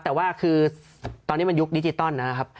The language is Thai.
แต่ว่าคือตอนนี้มันยุคดิจิตอลนะครับ